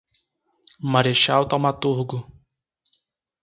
Marechal Thaumaturgo